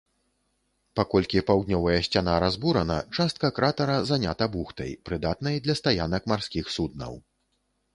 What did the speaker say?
Паколькі паўднёвая сцяна разбурана, частка кратара занята бухтай, прыдатнай для стаянак марскіх суднаў.